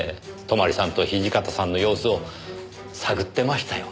泊さんと土方さんの様子を探ってましたよねぇ？